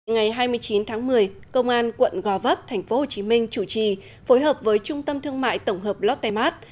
ngày hai mươi chín tháng một mươi công an quận gò vấp tp hcm chủ trì phối hợp với trung tâm thương mại tổng hợp lotte mart